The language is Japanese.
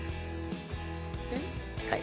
はい。